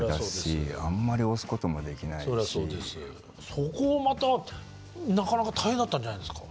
そこをまたなかなか大変だったんじゃないですか？